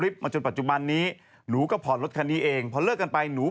พอเอ่ยชื่อเราแล้ว